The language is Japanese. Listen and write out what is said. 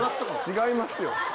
違いますよ。